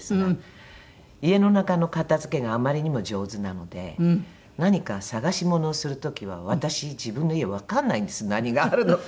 家の中の片付けがあまりにも上手なので何か探し物をする時は私自分の家わかんないんです何があるのか。